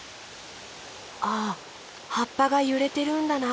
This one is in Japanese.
あはっぱがゆれてるんだな。